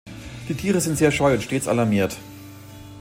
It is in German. Die Tiere sind sehr scheu und stets alarmiert.